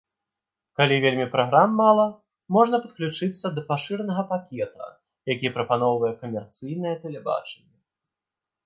Калі васьмі праграм мала, можна падключыцца да пашыранага пакета, які прапаноўвае камерцыйнае тэлебачанне.